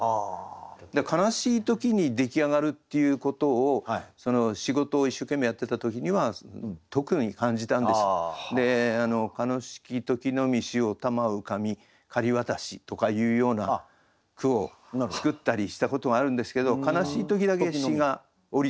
だから悲しい時に出来上がるっていうことを仕事を一生懸命やってた時には特に感じたんです。とかいうような句を作ったりしたことがあるんですけど悲しい時だけ詩が降りてくると。